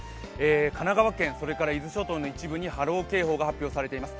神奈川県、伊豆諸島の一部に波浪警報が発表されています。